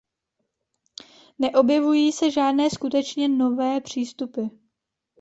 Neobjevují se žádné skutečně nové přístupy.